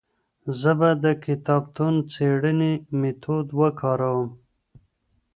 زه به د کتابتون څېړنې ميتود وکاروم.